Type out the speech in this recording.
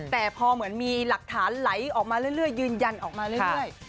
แต่พอเหมือนมีหลักฐานไหลออกมาเรื่อยยืนยันออกมาเรื่อย